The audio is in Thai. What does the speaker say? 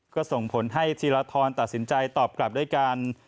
ก็ส่งผลให้ธีรทรตัดสินใจตอบกลับด้วยการ